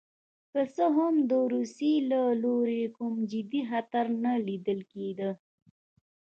که څه هم د روسیې له لوري کوم جدي خطر نه لیدل کېده.